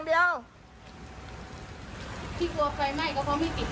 นี่แหละเราไม่กล้าปิดแก๊ส